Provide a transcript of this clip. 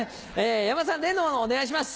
山田さん例の物をお願いします。